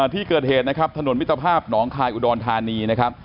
ที่เกิดเหตุนะครับถนนมิตรภาพหนองคายอุดรธานีนะครับ